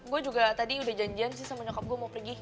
gue juga tadi udah janjian sih samanya kok gue mau pergi